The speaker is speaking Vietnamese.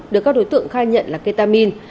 được các đối tượng khai nhận là ketamin